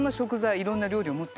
いろんな料理を持ってきた。